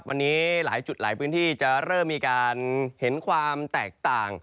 วันนี้หลายจุดหลายพื้นที่จะเริ่มมีการเห็นความแตกต่าง